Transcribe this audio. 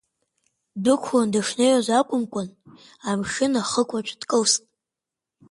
Дыдәықәлан дышнеиуаз акәымкәан, амшын ахықәаҿы дкылст.